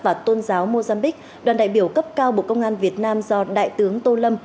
bộ tư pháp và tôn giáo mozambique đoàn đại biểu cấp cao bộ công an việt nam do đại tướng tô lâm